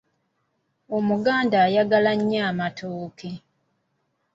Omuganda ayagala nnyo amatooke.